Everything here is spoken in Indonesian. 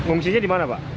ungsinya di mana pak